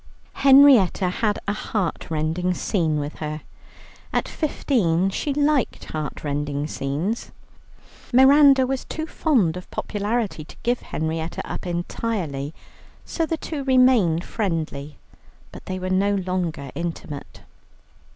Henrietta had a heartrending scene with her: at fifteen she liked heartrending scenes. Miranda was too fond of popularity to give Henrietta up entirely, so the two remained friendly, but they were no longer intimate.